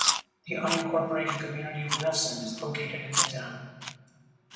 The unincorporated community of Wilson is located in the town.